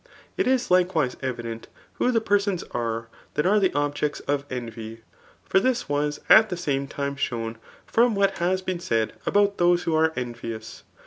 It is likewise evident who the persons are diat are the objects of envy ; for this was at the same time shown l^from what has been said about those who are envious.